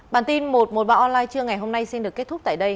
bản tin một trăm một mươi ba online trưa ngày hôm nay xin được kết thúc tại đây